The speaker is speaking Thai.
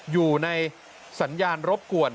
อยู่ในสัญญาณรบกวน